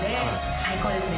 最高ですね。